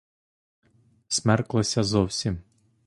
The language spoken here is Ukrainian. Смерклося зовсім.